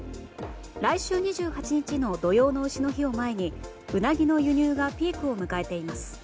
来週２８日の土用の丑の日を前にウナギの輸入がピークを迎えています。